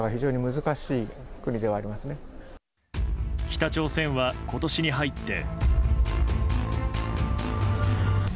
北朝鮮は今年に入って。